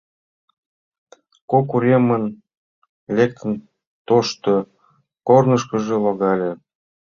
Кок уремым лектын, тошто корнышкыжо логале.